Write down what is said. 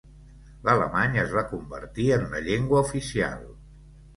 L'alemany es va convertir en la llengua oficial.